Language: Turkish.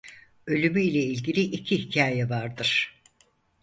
Ölümü ile ilgili iki hikâye vardır.